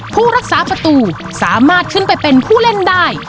ผู้รักษาประตูสามารถขึ้นไปเป็นผู้เล่นได้